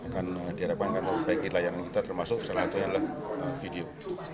jadi ada apa yang akan membaiki layanan kita termasuk salah satunya adalah video